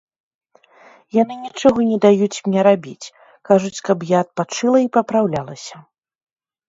Яны нічога не даюць мне рабіць, кажуць, каб я адпачыла і папраўлялася.